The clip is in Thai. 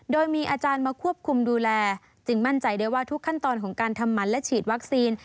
โดยมีอาจารย์มาควบคุมดูแลจึงมั่นใจได้ว่าทุกขั้นตอนของการทำมันและฉีดวัคซีน